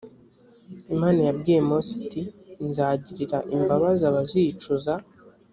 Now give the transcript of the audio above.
imana yabwiye mose iti “nzagirira imbabazi abazicuza”